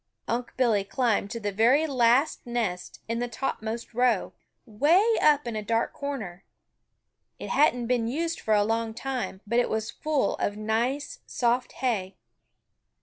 Unc' Billy climbed to the very last nest in the topmost row, way up in a dark corner. It hadn't been used for a long time, but it was full of nice, soft hay.